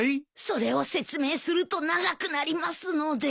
それを説明すると長くなりますので。